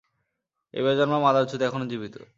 এই বেজন্মা মাদারচুদ এখনো জীবিত।